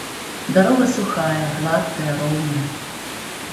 Дарога сухая, гладкая, роўная.